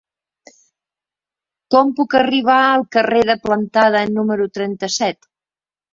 Com puc arribar al carrer de Plantada número trenta-set?